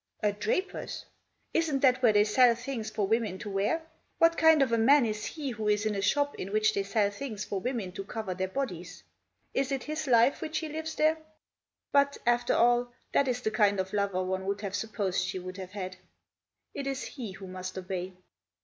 " A draper's ? Isn't that where they sell things for women to wear ? What kind of a man is he who is in a shop in which they sell things for women to cover their bodies ? Is it his life which he lives there ? But, after all, that is the kind of lover one would have supposed she would have had. It is he who must obey."